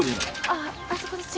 あああそこです。